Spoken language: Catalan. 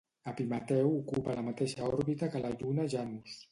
Epimeteu ocupa la mateixa òrbita que la lluna Janus.